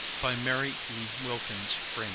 MARY E. WILKINS FREEMAN.